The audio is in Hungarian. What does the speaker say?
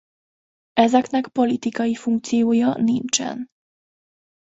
Ezeknek politikai funkciója nincsen.